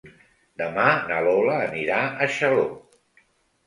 Demà na Lola anirà a Xaló.